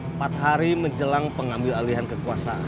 empat hari menjelang pengambil alihan kekuasaan